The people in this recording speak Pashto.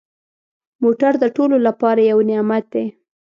موټر د ټولو لپاره یو نعمت دی.